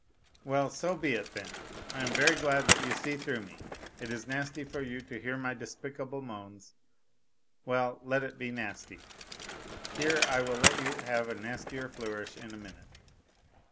Well, so be it, then ! I am very glad that you see through me. It is nasty for you to hear my <lfspic;il,le moans : well, let it be nasty; here I will let you have a nastier flourish in a minute.